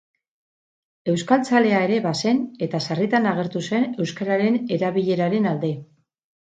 Euskaltzalea ere bazen eta sarritan agertu zen euskararen erabileraren alde.